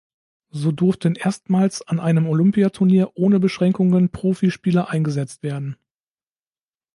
So durften erstmals an einem Olympiaturnier ohne Beschränkungen Profispieler eingesetzt werden.